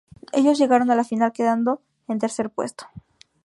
Ellos llegaron a la final, quedando en el tercer puesto.